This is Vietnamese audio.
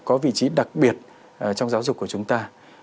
có vị trí đặc biệt trong giáo dục của chúng ta